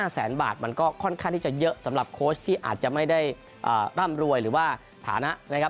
แสนบาทมันก็ค่อนข้างที่จะเยอะสำหรับโค้ชที่อาจจะไม่ได้ร่ำรวยหรือว่าฐานะนะครับ